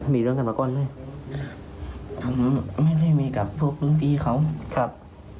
มีเรื่องกันมาก่อนเลยผมไม่ได้มีกับพวกรุ่นพี่เขาครับ